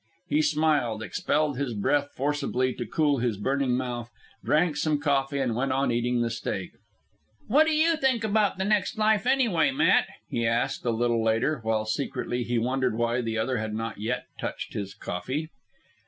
He smiled, expelled his breath forcibly to cool his burning mouth, drank some coffee, and went on eating the steak. "What do you think about the next life anyway, Matt?" he asked a little later, while secretly he wondered why the other had not yet touched his coffee.